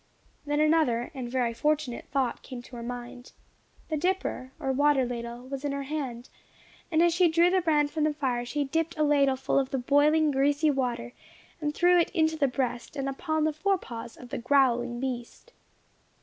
Then another and very fortunate thought came to her mind. The dipper, or water ladle, was in her hand; and as she drew the brand from the fire, she dipped a ladle full of the boiling, greasy water, and threw it into the breast, and upon the fore paws of the growling beast.